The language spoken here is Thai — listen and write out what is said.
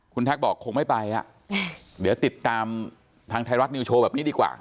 คุณแท็กบอกคงไม่ไปอ่ะเดี๋ยวติดตามทางไทยรัฐนิวโชว์แบบนี้ดีกว่า